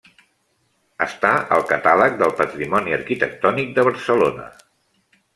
Està al catàleg del Patrimoni Arquitectònic de Barcelona.